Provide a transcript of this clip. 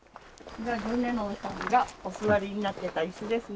ジョン・レノンさんがお座りになってた椅子ですね。